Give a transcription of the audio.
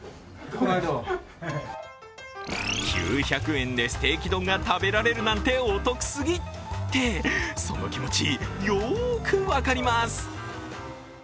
９００円でステーキ丼が食べられるなんてお得すぎって、その気持ち、よーく分かります。